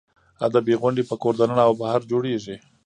ادبي غونډې په کور دننه او بهر جوړېږي.